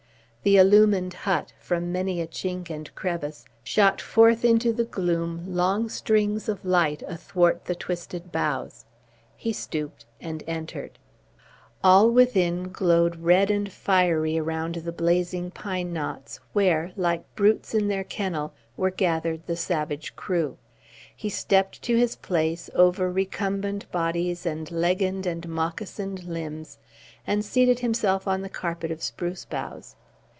The illumined hut, from many a chink and crevice, shot forth into the gloom long streams of light athwart the twisted boughs. He stooped and entered. All within glowed red and fiery around the blazing pine knots, where, like brutes in their kennel, were gathered the savage crew. He stepped to his place, over recumbent bodies and leggined and moccasined limbs, and seated himself on the carpet of spruce boughs.